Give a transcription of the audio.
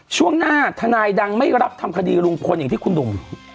ช่วงหน้าทนายดังไม่รับทำคดีลุงพลอย่างที่คุณหนุ่ม